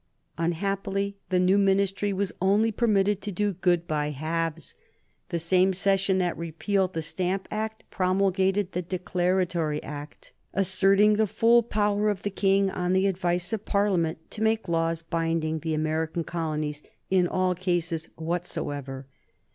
Unhappily, the new Ministry was only permitted to do good by halves. The same session that repealed the Stamp Act promulgated the Declaratory Act, asserting the full power of the King, on the advice of Parliament, to make laws binding the American colonies in all cases whatsoever.